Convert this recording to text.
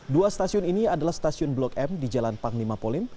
dua stasiun ini adalah stasiun blok m di jalan panglima polim